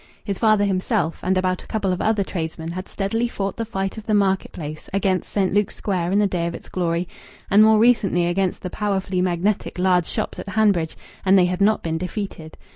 His father, himself, and about a couple of other tradesmen had steadily fought the fight of the market place against St. Luke's Square in the day of its glory, and more recently against the powerfully magnetic large shops at Hanbridge, and they had not been defeated.